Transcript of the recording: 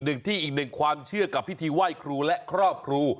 อีกหนึ่งที่อีกหนึ่งความเชื่อกับพิธีไหว้ครูและครอบครู